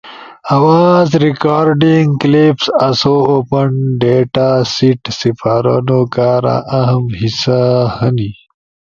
آواز ریکارڈنگ کلپس آسو اوپن ڈیتا سیٹ سپارونو کارا اہم حصہ ہنی،